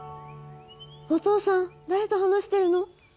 お父さん誰と話してるの？